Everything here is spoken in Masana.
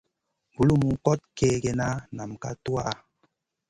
Bulum kot kègèna nam ka tudha.